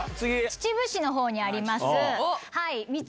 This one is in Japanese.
秩父市の方にあります。